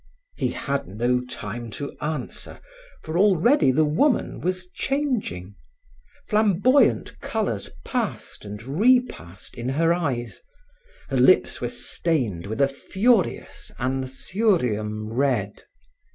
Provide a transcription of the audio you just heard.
He had no time to answer, for already the woman was changing. Flamboyant colors passed and repassed in her eyes. Her lips were stained with a furious Anthurium red.